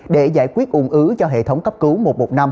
để giải quyết ủng ứ cho hệ thống cấp cứu một một năm